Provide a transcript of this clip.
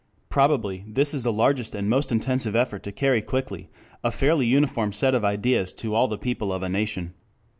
Probably this is the largest and the most intensive effort to carry quickly a fairly uniform set of ideas to all the people of a nation.